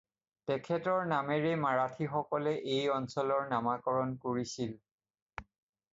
তেখেতৰ নামেৰেই মাৰাঠীসকলে এই অঞ্চলৰ নামকৰণ কৰিছিল।